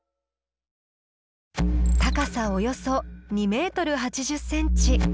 高さおよそ２メートル８０センチ。